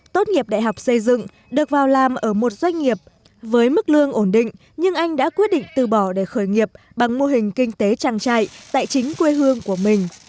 tốt nghiệp đại học xây dựng được vào làm ở một doanh nghiệp với mức lương ổn định nhưng anh đã quyết định từ bỏ để khởi nghiệp bằng mô hình kinh tế trang trại tại chính quê hương của mình